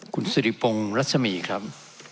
คุณสิริพงศ์รัศมีครับ